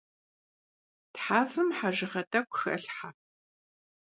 Thevım hejjığe t'ek'u xelhhe.